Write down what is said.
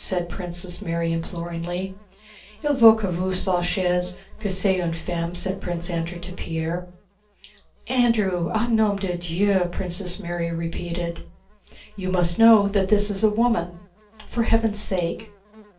said Princess Mary, imploringly. "Il faut que vous sachiez que c'est une femme," * said Prince Andrew to Pierre. "Andrew, au nom de Dieu!" *(2) Princess Mary repeated. * "You must know that this is a woman." * (2) "For heaven's sake."